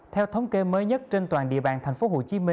theo thống kê mới nhất trên toàn địa bàn tp hcm